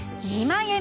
２万円。